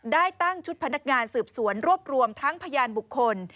ได้ตั้งชุดพนักงานสืบสวนรวบรวมทั้งพยานบุคคล